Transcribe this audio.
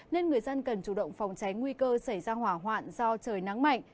nên người dân cần chủ động phòng tránh nguy cơ xảy ra hỏa hoạn do trời nắng mạnh